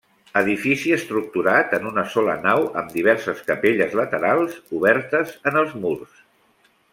Edifici estructurat en una sola nau, amb diverses capelles laterals obertes en els murs.